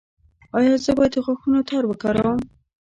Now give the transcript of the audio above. ایا زه باید د غاښونو تار وکاروم؟